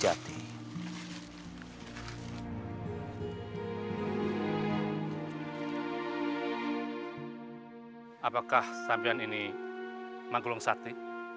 apakah sampian ini magulung sati